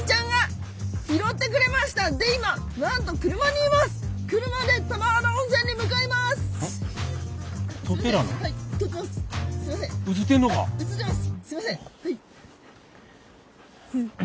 はい。